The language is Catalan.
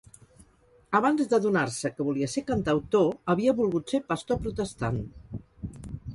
Abans d’adonar-se que volia ser cantautor, havia volgut ser pastor protestant.